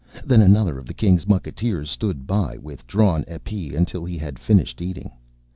Then another of the King's mucketeers stood by with drawn épée until he had finished eating.